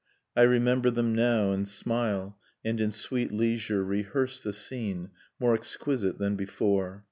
I remember them now, and smile, and in sweet leisure Rehearse the scene, more exquisite than before.